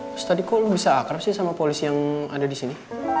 terus tadi kok bisa akrab sih sama polisi yang ada di sini